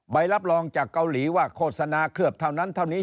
ใบรับรองจากเกาหลีว่าโฆษณาเคลือบเท่านั้นเท่านี้